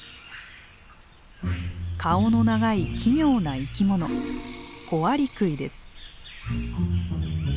顔の長い奇妙な生き物コアリクイです。